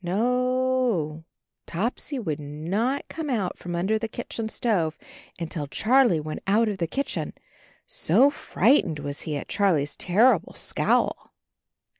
No, Topsy would not come out from under the kitchen stove until Charlie went out of the kitchen, so fright ened was he at Charlie's terrible scowl.